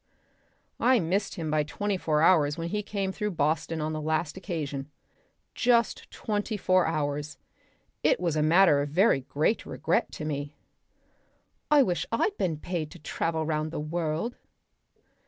"I missed him by twenty four hours when he came through Boston on the last occasion. Just twenty four hours. It was a matter of very great regret to me." "I wish I'd been paid to travel round the world."